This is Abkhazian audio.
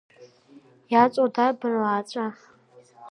Иаҵоу дарбану ааҵәа?